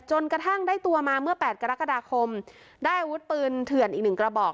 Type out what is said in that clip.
จนกระทั่งได้ตัวมาเมื่อ๘กรกฎาคมได้อาวุธปืนเถื่อนอีกหนึ่งกระบอก